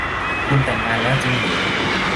คุณแต่งงานแล้วจริงหรือ